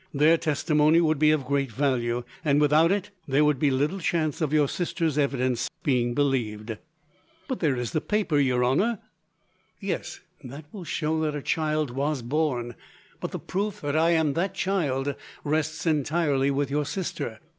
Their testimony would be of great value, and without it there would be little chance of your sister's evidence being believed." "But there is the paper, your honour." "Yes; that will show that a child was born, but the proof that I am that child rests entirely with your sister.